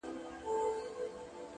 o د هندو له کوره هم قران را ووت ,